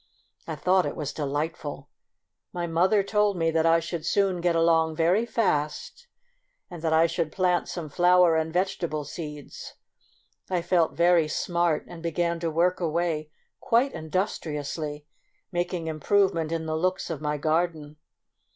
I thought it was delightful. My mother told me that I should soon get along very fast, and that I should plant some flower and vegetable seeds. I felt very smart, and began to work away quite industriously, making improvement in the looks of my garden.